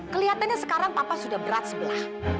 kelihatannya sekarang papa sudah berat sebelah